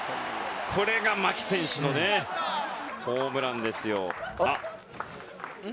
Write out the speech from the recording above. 牧選手のホームランですよ。